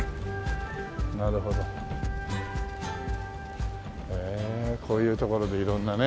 なるほど。へこういう所で色んなね